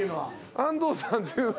安藤さんっていうのは。